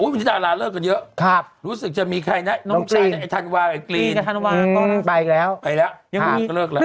พี่เต้นที่รู้สึกจะมีใครนะ